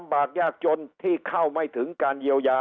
บากยากจนที่เข้าไม่ถึงการเยียวยา